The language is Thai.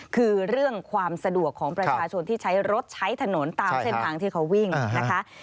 คือเรื่องความสะดวกของประชาชนที่ใช้รถใช้ถนนตามเส้นทางที่เขาวิ่งนะคะ